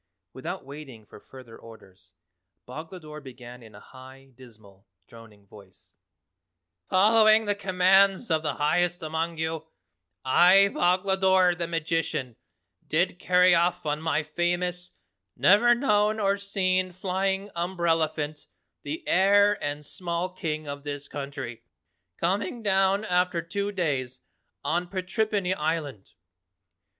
Without waiting for further orders, Boglodore began in a high, dismal, droning voice: "Following the commands of the highest among you, I, Boglodore the Magician, did carry off on my famous, never known or seen flying umbrellaphant the heir and small King of this country, coming down after two days, on Patrippany Island.